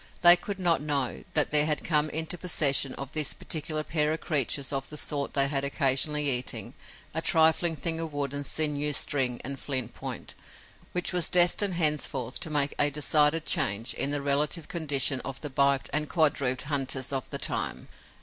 They could not know that there had come into possession of this particular pair of creatures of the sort they had occasionally eaten, a trifling thing of wood and sinew string and flint point, which was destined henceforth to make a decided change in the relative condition of the biped and quadruped hunters of the time.